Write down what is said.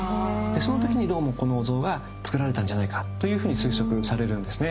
その時にどうもこのお像がつくられたんじゃないかというふうに推測されるんですね。